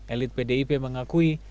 elit pdip mengakui